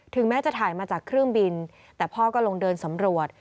แม้จะถ่ายมาจากเครื่องบินแต่พ่อก็ลงเดินสำรวจ